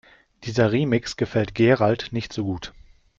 Dieser Remix gefällt Gerald nicht so gut.